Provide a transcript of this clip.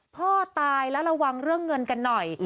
พ่อตายและระวังเรื่องเงินกันหน่อย